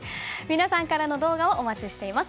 皆さんからの動画をお待ちしています。